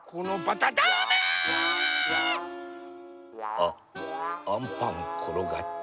あっアンパンころがった。